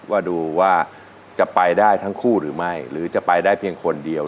ว่าดูว่าจะไปได้ทั้งคู่หรือไม่หรือจะไปได้เพียงคนเดียว